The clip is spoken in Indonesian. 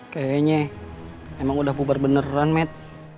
kayaknya emang udah puber beneran matt